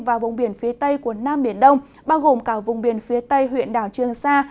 và vùng biển phía tây của nam biển đông bao gồm cả vùng biển phía tây huyện đảo trương sa